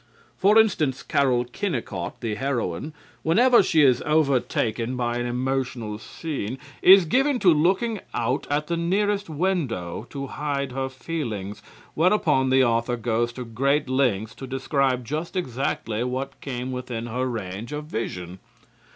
For instance, Carol Kennicott, the heroine, whenever she is overtaken by an emotional scene, is given to looking out at the nearest window to hide her feelings, whereupon the author goes to great lengths to describe just exactly what came within her range of vision.